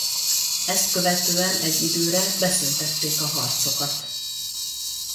Ezt követően egy időre beszüntették a harcokat.